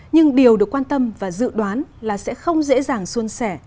nhưng điều được quan tâm và dự đoán là sẽ không dễ dàng xuân sẻ